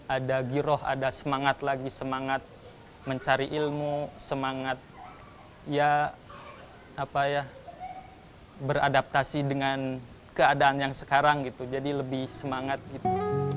ada giroh ada semangat lagi semangat mencari ilmu semangat ya apa ya beradaptasi dengan keadaan yang sekarang gitu jadi lebih semangat gitu